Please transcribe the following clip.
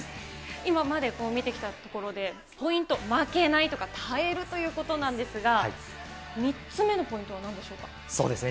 今まで、見てきたところで、ポイント、負けないとか、耐えるということなんですが、３つ目のポイントはなんでしょうそうですね。